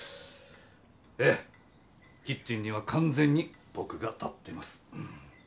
ええキッチンには完全に僕が立ってますうん。